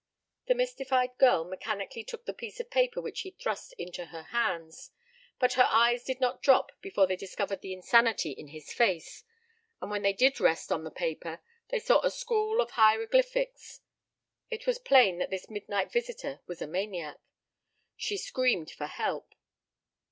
The mystified girl mechanically took the piece of paper which he thrust into her hands, but her eyes did not drop before they discovered the insanity in his face, and when they did rest on the paper they saw a scrawl of hieroglyphics. It was plain that this midnight visitor was a maniac. She screamed for help.